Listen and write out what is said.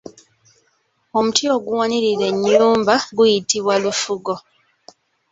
Omuti oguwanirira ennyumba guyitibwa Lufugo.